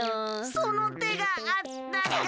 そのてがあったか。